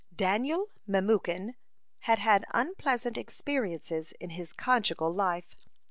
Daniel Memucan had had unpleasant experiences in his conjugal life.